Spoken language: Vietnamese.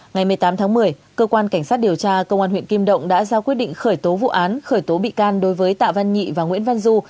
ngày một mươi tám tháng một mươi cơ quan cảnh sát điều tra công an huyện kim động đã ra quyết định khởi tố vụ án khởi tố bị can đối với tạ văn nhị và nguyễn văn du